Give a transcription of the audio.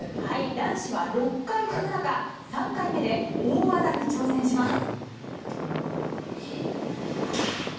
男子は６回飛ぶ中３回目で大技に挑戦します。